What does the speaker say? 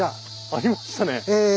ありましたね。